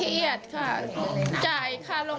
เอาไปรักษาก่อน